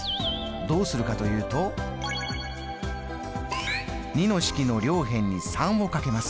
どうするかというと２の式の両辺に３をかけます。